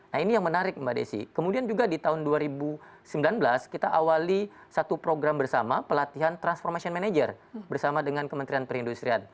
nah ini yang menarik mbak desi kemudian juga di tahun dua ribu sembilan belas kita awali satu program bersama pelatihan transformation manager bersama dengan kementerian perindustrian